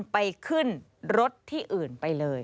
ไปขึ้นรถที่อื่นไปเลย